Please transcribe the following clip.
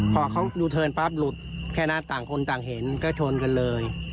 พอเขายูเทิร์นปั๊บหลุดแค่นั้นต่างคนต่างเห็นก็ชนกันเลย